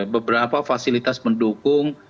beberapa fasilitas pendukung